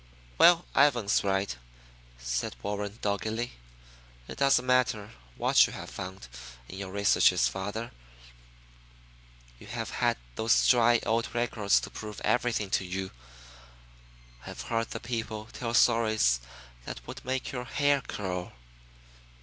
"Well, Ivan's right," said Warren doggedly. "It doesn't matter what you have found in your researches, father; you have had those dry old records to prove everything to you. I have heard the people tell stories that would make your hair curl.